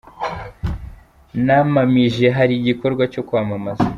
namamije hari n’igikorwa cyo kwamamaza.